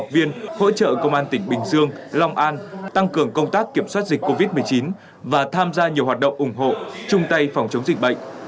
viên hỗ trợ công an tỉnh bình dương long an tăng cường công tác kiểm soát dịch covid một mươi chín và tham gia nhiều hoạt động ủng hộ chung tay phòng chống dịch bệnh